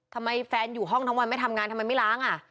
แฟนอยู่ห้องทั้งวันไม่ทำงานทำไมไม่ล้างอ่ะ